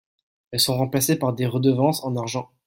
Elles sont remplacées par des redevances en argent.